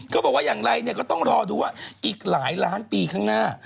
เขาบอกว่าอย่างไรเนี่ยก็ต้องรอดูว่าอีกหลายล้านปีข้างหน้า